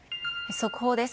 速報です。